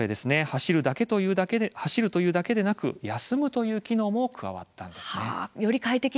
走るだけでなく休むという機能も加わったんですね。